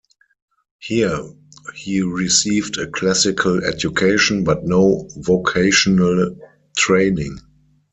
Here he received a classical education, but no vocational training.